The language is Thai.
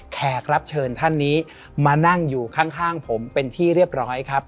แขกรับเชิญท่านนี้มานั่งอยู่ข้างผมเป็นที่เรียบร้อยครับ